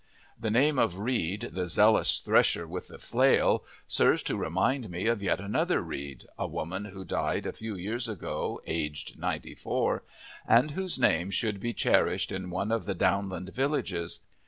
The name of Reed, the zealous thresher with the flail, serves to remind me of yet another Reed, a woman who died a few years ago aged ninety four, and whose name should be cherished in one of the downland villages.